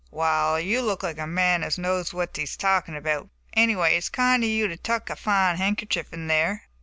"Wall, you look like a man as knows what he's talkin' about; anyway it's kind of you to tuck that fine handkerchief in there.